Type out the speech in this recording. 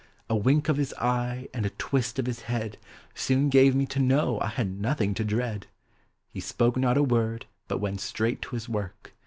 A wink of his eve and a twist of his head Soon gave me to know 1 had nothing to dread. He spoke not a word, but went straight to his work.